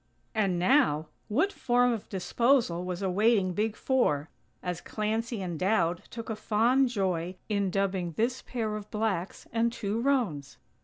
And now!! What form of disposal was awaiting "Big Four", as Clancy and Dowd took a fond joy in dubbing this pair of blacks and two roans?